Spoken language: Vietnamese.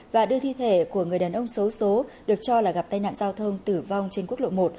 và đưa thi thể của người đàn ông xấu xố được cho là gặp tai nạn giao thông tử vong trên quốc lộ một